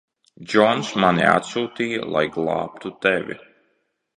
Džons mani atsūtīja, lai glābtu tevi.